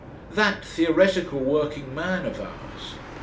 That theoretical Working Man of ours!